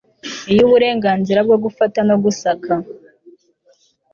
Iyo uburenganzira bwo gufata no gusaka